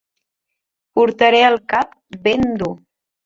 Portaré el cap ben dur.